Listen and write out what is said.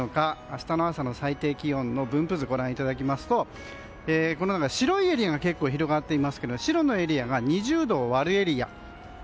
明日の朝の最低気温の分布図をご覧いただきますと白いエリアが広がっていますが白のエリアが２０度を割るエリア。